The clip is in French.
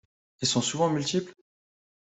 Ils sont souvent multiples.